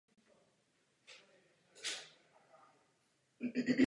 Místo starého domu zde stojí moderní obchodní dům.